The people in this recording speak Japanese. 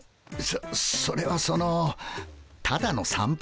そそれはそのただの散歩です。